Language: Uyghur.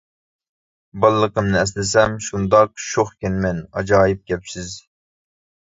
بالىلىقىمنى ئەسلىسەم شۇنداق، شوخ ئىكەنمەن، ئاجايىپ كەپسىز.